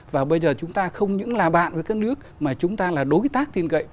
và bây giờ chúng ta không những là bạn với các nước mà chúng ta là đối tác tin cậy